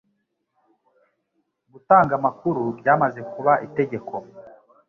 gutanga amakuru byamaze kuba itegeko.